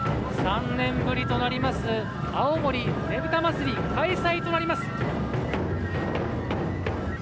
３年ぶりとなります青森ねぶた祭開催となります。